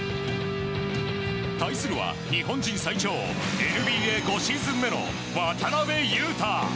対するは、日本人最長ＮＢＡ５シーズン目の渡邊雄太。